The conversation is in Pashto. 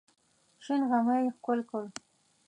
شنه غمی یې ښکل کړ.